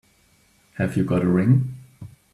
Have you got a ring?